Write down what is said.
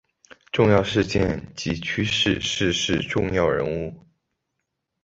重要事件及趋势逝世重要人物